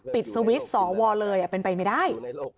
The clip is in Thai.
ปิดสวิตช์สวเลยเป็นไปไม่ได้